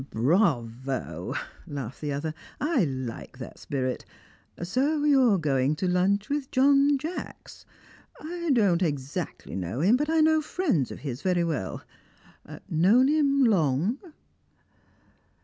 "Bravo!" laughed the other; "I like that spirit. So you're going to lunch with John Jacks. I don't exactly know him, but I know friends of his very well. Known him long?"